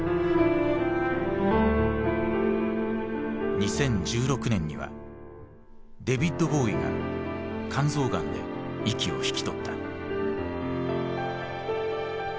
２０１６年にはデヴィッド・ボウイが肝臓がんで息を引き取った。